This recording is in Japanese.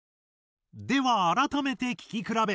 では改めて聴き比べ。